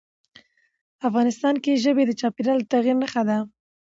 افغانستان کې ژبې د چاپېریال د تغیر نښه ده.